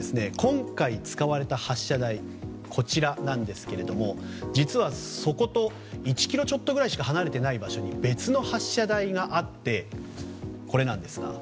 今回、使われた発射台がこちらなんですけれども実はそこと１ｋｍちょっとぐらいしか離れていない場所に別の発射台があってこれなんですが。